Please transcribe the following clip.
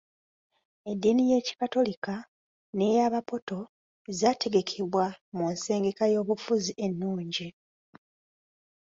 Eddiini y'ekikatolika n'eyabapoto zaategekebwa mu nsengeka y'obufuzi ennungi.